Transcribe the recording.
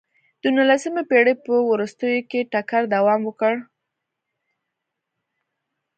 د نولسمې پېړۍ په وروستیو کې ټکر دوام وکړ.